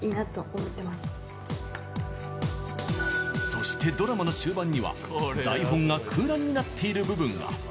そしてドラマの終盤には台本が空欄になっている部分が。